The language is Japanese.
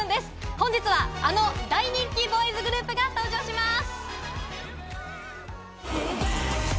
本日は、あの大人気ボーイズグループが登場します。